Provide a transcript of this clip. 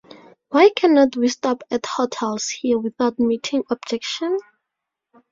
Why cannot we stop at hotels here without meeting objection?